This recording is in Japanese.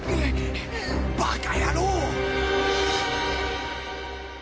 バカ野郎！